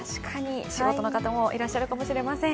仕事の方もいらっしゃるかもしれません。